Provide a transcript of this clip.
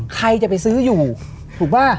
ใครจะไปซื้ออยู่ถูกป่ะ